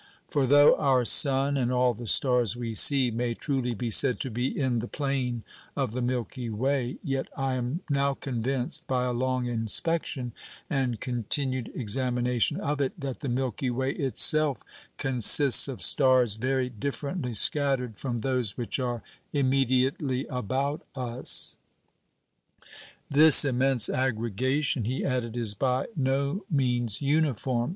For though our sun, and all the stars we see, may truly be said to be in the plane of the Milky Way, yet I am now convinced, by a long inspection and continued examination of it, that the Milky Way itself consists of stars very differently scattered from those which are immediately about us." "This immense aggregation," he added, "is by no means uniform.